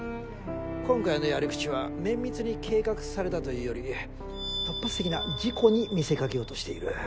今回のやり口は綿密に計画されたというより突発的な事故に見せかけようとしている。